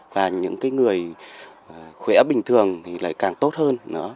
và những người khỏe bình thường thì lại càng tốt hơn nữa